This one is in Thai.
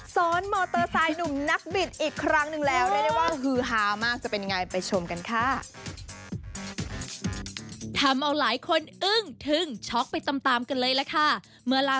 ซ้อนมอเตอร์ไซด์หนุ่มนักบิดอีกครั้งหนึ่งแล้ว